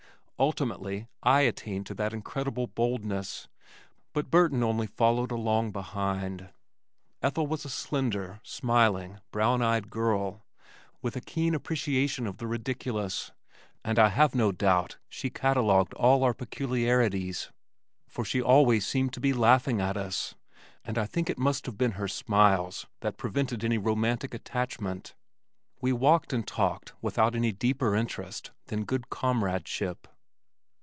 Ultimately I attained to that incredible boldness, but Burton only followed along behind. Ethel was a slender, smiling, brown eyed girl with a keen appreciation of the ridiculous, and I have no doubt she catalogued all our peculiarities, for she always seemed to be laughing at us, and I think it must have been her smiles that prevented any romantic attachment. We walked and talked without any deeper interest than good comradeship.